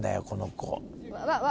この子。